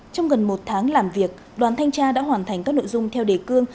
trong gần một tháng làm việc đoàn thanh tra đã hoàn thành các nội dung theo đề cương